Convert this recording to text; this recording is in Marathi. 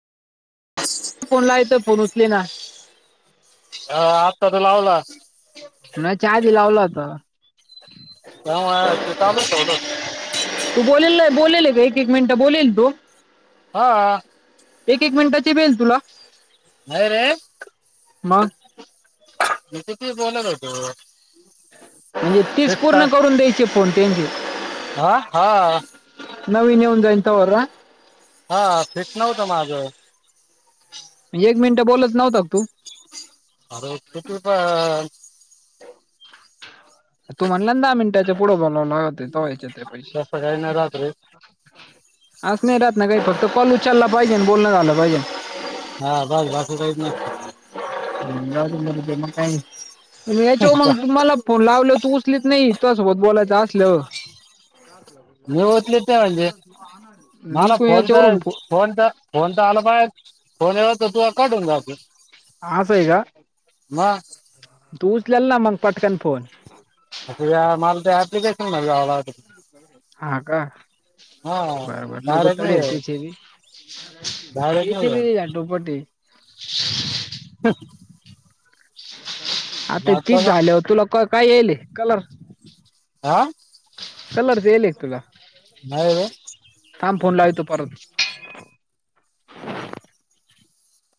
फोन [unintelligible] फोन उचले ना हा आत्ता तर लावला. म चहा दि लावल होता. [inaudible] तू बोलेल बोलेल आहे का एक एक मिनिटं बोलेल तू [inaudible] हा एक एक मिनिटाची बेल तुला नाहीय रे मंग मी तिती बोलत होतो [inaudible] म्हणजे तीच फिक्स पूर्ण करून द्यायची फोन त्यांची हा हा नविन येऊन जाईन तेव्हा ना हा फिक्स [unintelligible] एक मिनिटं बोलत नव्हता का तु? म किती प तू म्हंटला न दहा मिनटाच्या पुढं बोलावा लागत तेव्हा येतात ते पैसे. तसं काही नाही राहत रे अस नाही राहत ना काही फक्त कॉल उचलला पाहिजे अन् बोलण झालं पाहिजे. हा [unintelligible] याच्या नसतं मग [unintelligible] नाही तुज्या सोबत बोलायचं असल्यावर मी उचलीत नाही म्हणजे मी मला को फोन याच्यारुन तर फोन तर [inaudible] आसा आहे का? मं तू उचलेल ना मग पटकन फोन [inaudible] हा डायरेक्ट नाही [inaudible] डायरेक्ट नाही [inaudible] आता तीच झाली हो तुला काय येल कलर हं [inaudible] नाही रे थांब फोन लावितो परत.